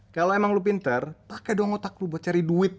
kalau emang lu pinter pakai doang otak lo buat cari duit